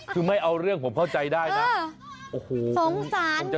คือไม่เอาเรื่องผมเข้าใจได้นะ